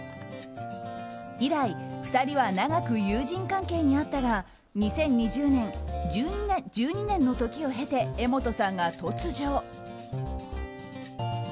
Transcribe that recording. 以来、２人は長く友人関係にあったが２０２０年、１２年の時を経て柄本さんが突如。